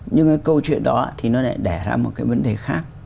nhưng cái câu chuyện đó thì nó lại đẻ ra một cái vấn đề khác